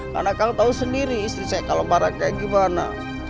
karena kang tau sendiri istri saya kalau marah kayak gimana